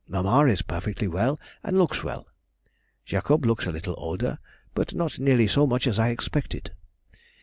Mamma is perfectly well and looks well. Jacob looks a little older, but not nearly so much as I expected.